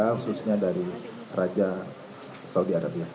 khususnya dari raja saudi arabia